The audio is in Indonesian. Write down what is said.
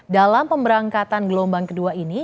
dalam pemberangkatan gelombang kedua ini